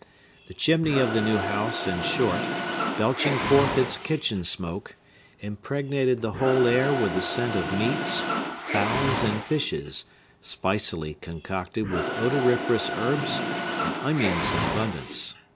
The chimney of the new house, in short, belching forth its kitchen smoke, impregnated the whole air with the scent of meats, fowls, and fishes, spicily concocted with odoriferous herbs, and onions in abundance.